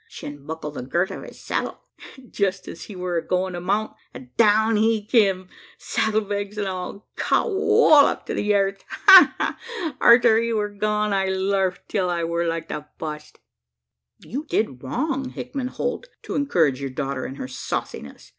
She unbuckled the girt o' his saddle, jest as he wur a goin' to mount, and down he kim saddle, bags, and all cawollup to the airth! ha! ha! Arter he wur gone, I larfed till I wur like to bust." "You did wrong, Hickman Holt, to encourage your daughter in her sauciness.